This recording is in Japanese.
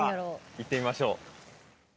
行ってみましょう。